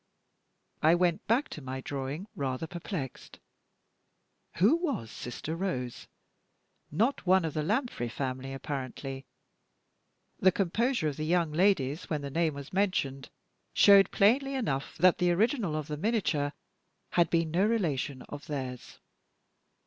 I went back to my drawing, rather perplexed. Who was "Sister Rose"? Not one of the Lanfray family, apparently. The composure of the young ladies when the name was mentioned showed plainly enough that the original of the miniature had been no relation of theirs.